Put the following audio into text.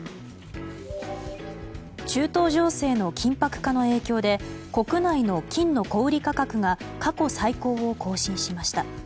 中東情勢の緊迫化の影響で国内の金の小売価格が過去最高を更新しました。